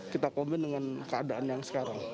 kita komin dengan keadaan yang sekarang